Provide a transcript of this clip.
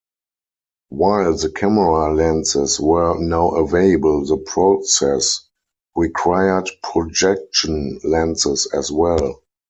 While the camera lenses were now available, the process required projection lenses as well.